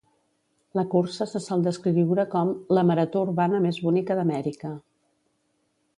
La cursa se sol descriure com "la marató urbana més bonica d'Amèrica".